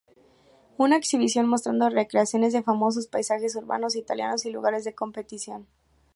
Una exhibición mostrando recreaciones de famosos paisajes urbanos italianos y lugares de competición.